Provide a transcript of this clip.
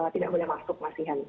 tidak boleh masuk masihan